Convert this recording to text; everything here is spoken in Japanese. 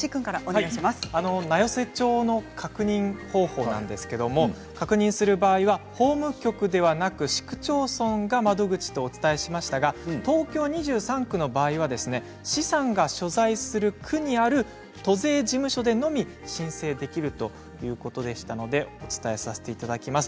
名寄帳の確認方法ですが確認する場合は法務局ではなく市区町村が窓口とお伝えしましたが東京２３区の場合は資産が所在する区にある都税事務所でのみ申請できるということでしたのでお伝えさせていただきます。